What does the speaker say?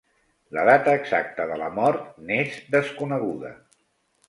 La data exacta de la mort n'és desconeguda.